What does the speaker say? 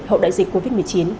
hậu đại dịch covid một mươi chín